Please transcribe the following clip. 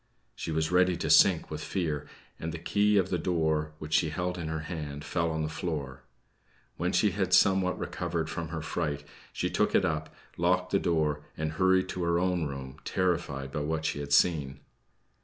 She was ready to sink with fear, and the key of the door, which she held in her hand, fell on the floor. When she had somewhat recovered from her fright, she took it up, locked the door and hurried to her own room, terrified by what she had seen.